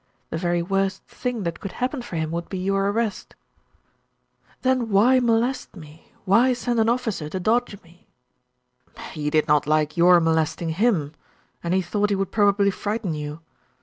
The very worst thing that could happen for him, would be your arrest." "Then why molest me? Why send an officer to dodge me?" "He did not like your molesting him, and he thought he would probably frighten you.